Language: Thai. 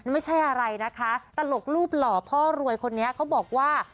ไม่ใช่อะไรนะคะตลกรูปหล่อพ่อรวยคนนี้เขาบอกว่า